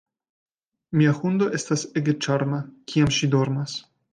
Mia hundo estas ege ĉarma, kiam ŝi dormas.